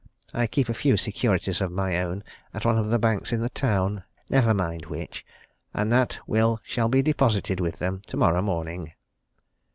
I keep a few securities of my own at one of the banks in the town never mind which and that will shall be deposited with them tomorrow morning."